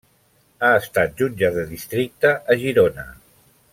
Ha estat jutge de districte a Girona.